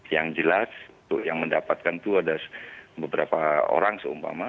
yang jelas untuk yang mendapatkan itu ada beberapa orang seumpama